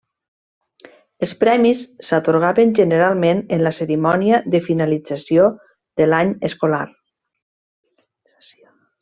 Els premis s'atorgaven generalment en la cerimònia de finalització de l'any escolar.